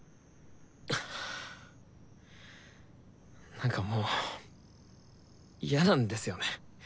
なんかもうやなんですよね！